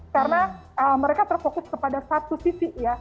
karena mereka terfokus kepada satu sisi ya